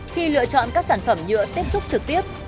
khi lựa chọn các sản phẩm nhựa tiếp xúc trực tiếp